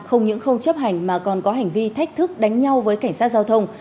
không những không chấp hành mà còn có hành vi thách thức đánh nhau với cảnh sát giao thông